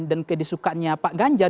dan kedisukannya pak ganjar